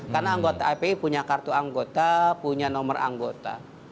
karena anggota epi punya kartu anggota punya nomor anggota